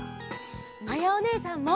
まやおねえさんも。